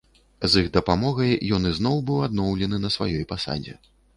З іх дапамогай ён ізноў быў адноўлены на сваёй пасадзе.